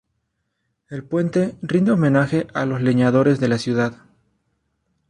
El puente rinde homenaje a los leñadores de la ciudad.